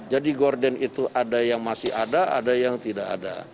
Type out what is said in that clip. jadi korden itu ada yang masih ada ada yang tidak ada